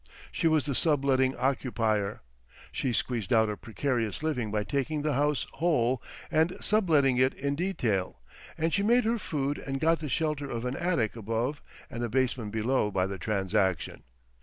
She was the sub letting occupier; she squeezed out a precarious living by taking the house whole and sub letting it in detail and she made her food and got the shelter of an attic above and a basement below by the transaction.